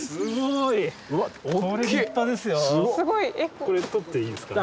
これとっていいですかね？